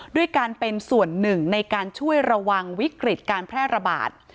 ด้วยการเป็นส่วนหนึ่งในการช่วยระวังวิกฤตการแพร่ระบาด